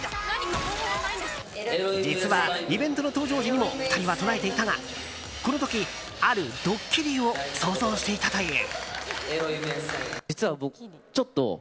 実は、イベントの登場時にも２人は唱えていたがこの時、あるドッキリを想像していたという。